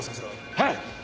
はい！